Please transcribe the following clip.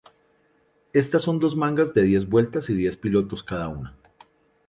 Estas son dos mangas de diez vueltas y diez pilotos cada una.